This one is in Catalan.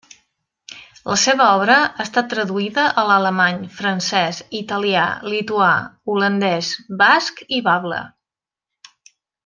La seva obra ha estat traduïda a l'alemany, francès, italià, lituà, holandès, basc i bable.